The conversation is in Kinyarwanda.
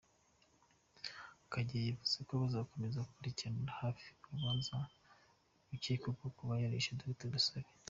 Karega yavuze ko bazakomeza gukurikiranira hafi urubanza rw’ukekwaho kuba yarishe Dr Dusabe.